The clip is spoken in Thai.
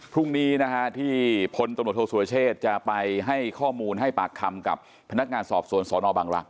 พรุ่งนี้นะฮะที่พลตำรวจโทษสุรเชษจะไปให้ข้อมูลให้ปากคำกับพนักงานสอบสวนสนบังรักษ